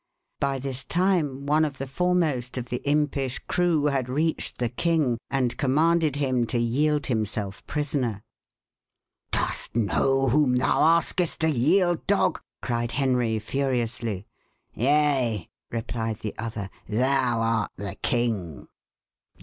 By this time one of the foremost of the impish crew had reached the king, and commanded him to yield himself prisoner. "Dost know whom thou askest to yield, dog?" cried Henry furiously. "Yea," replied the other, "thou art the king!"